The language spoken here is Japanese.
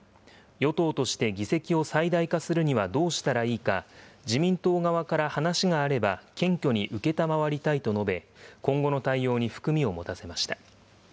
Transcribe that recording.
与党として議席を最大化するにはどうしたらいいか、自民党側から話があれば謙虚に承りたいと述べ、今後の対応に含みを持たせました。